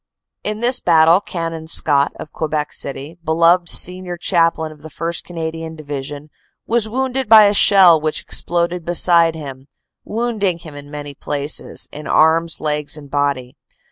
In this battle Canon Scott of Quebec City, beloved senior chaplain of the 1st. Canadian Division, was wounded by a shell which exploded beside him, wounding him in many places, in arms, legs and body.